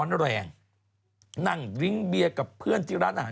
จากกระแสของละครกรุเปสันนิวาสนะฮะ